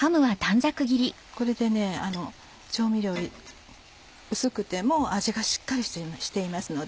これで調味料薄くても味がしっかりしていますので。